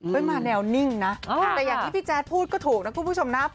มาแนวนิ่งนะแต่อย่างที่พี่แจ๊ดพูดก็ถูกนะคุณผู้ชมนะ